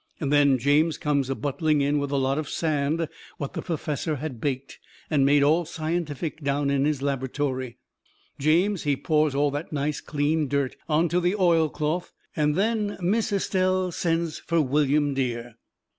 And then James comes a buttling in with a lot of sand what the perfessor has baked and made all scientific down in his labertory. James, he pours all that nice, clean dirt onto the oilcloth and then Miss Estelle sends fur William Dear.